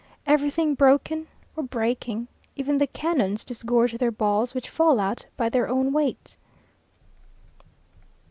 Everything broken or breaking. Even the cannons disgorge their balls, which fall out by their own weight.